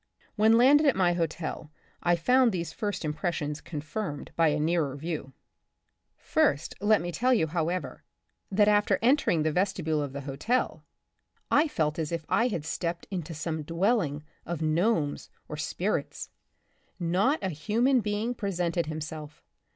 When landed at my hotel I found these first impres sions confirmed by a nearer view. First let me tell you, however, that after entering the vestibule of the hotel, I felt as if I had stepped into some dwelling of gnomes or sprites. Not a human being presented himself.